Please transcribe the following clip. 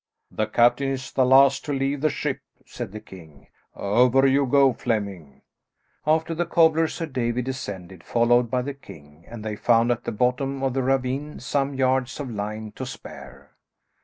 "The captain is the last to leave the ship," said the king; "over you go, Flemming." After the cobbler, Sir David descended, followed by the king; and they found at the bottom of the ravine some yards of line to spare.